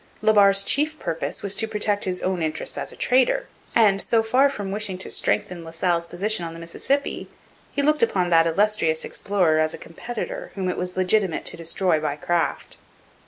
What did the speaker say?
La Barre's chief purpose was to protect his own interests as a trader, and, so far from wishing to strengthen La Salle's position on the Mississippi, he looked upon that illustrious explorer as a competitor whom it was legitimate to destroy by craft.